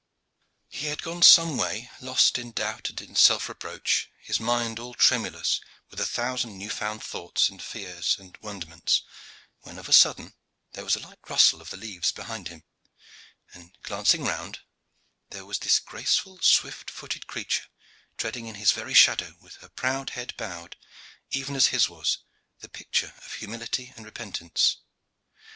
He had gone some way, lost in doubt and in self reproach, his mind all tremulous with a thousand new found thoughts and fears and wonderments, when of a sudden there was a light rustle of the leaves behind him, and, glancing round, there was this graceful, swift footed creature, treading in his very shadow, with her proud head bowed, even as his was the picture of humility and repentance.